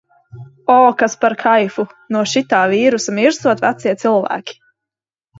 O, kas par kaifu! No šitā vīrusa mirstot vecie cilvēki.